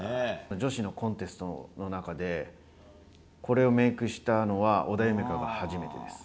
女子のコンテストの中で、これをメークしたのは、織田夢海が初めてです。